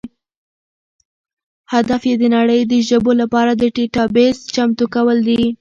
هدف یې د نړۍ د ژبو لپاره د ډیټابیس چمتو کول دي.